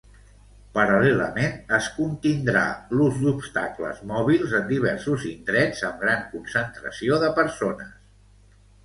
Paral·lelament es contindrà l'ús d'obstacles mòbils en diversos indrets amb gran concentració de persones.